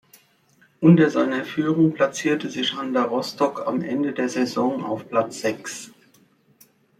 Unter seiner Führung platzierte sich Hansa Rostock am Ende der Saison auf Platz sechs.